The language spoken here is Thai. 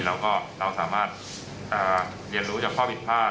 เราก็สามารถเรียนรู้จากข้อผิดพลาด